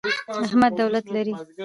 احمد دولت لري.